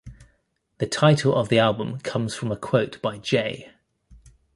The title of the album comes from a quote by J.